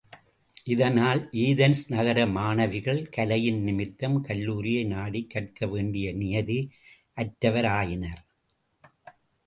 இதனால், ஏதென்ஸ் நகர மாணவிகள் கலையின் நிமித்தம் கல்லூரியை நாடிக் கற்க வேண்டிய நியதி அற்றவர் ஆயினர்.